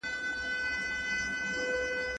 ایا څېړنه د ژور فکر اړتیا لري؟